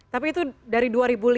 tapi itu dari dua ribu lima belas